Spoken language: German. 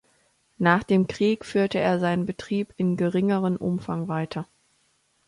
Nach dem Krieg führte er seinen Betrieb in geringeren Umfang weiter.